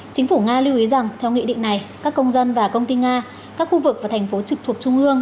chính phủ nga lưu ý rằng theo nghị định này các công dân và công ty nga các khu vực và thành phố trực thuộc trung ương